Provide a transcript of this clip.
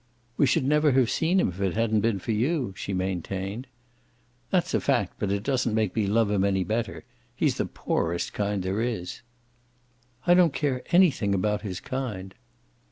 "We should never have seen him if it hadn't been for you," she maintained. "That's a fact, but it doesn't make me love him any better. He's the poorest kind there is." "I don't care anything about his kind."